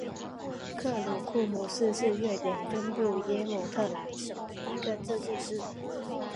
克鲁库姆市是瑞典中部耶姆特兰省的一个自治市。